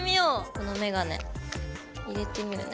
このメガネ入れてみるね。